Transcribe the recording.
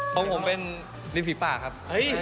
ของผมเป็นริมฝีปากครับ